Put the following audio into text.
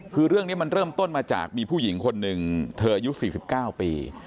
คือเรื่องนี้มันเริ่มต้นมาจากมีผู้หญิงคนหนึ่งเธออายุ๔๙ปี